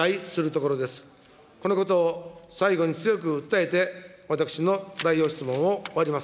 このことを最後に強く訴えて、私の代表質問を終わります。